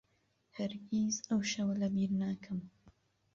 هەرگیز ئەو شەوە لەبیر ناکەم.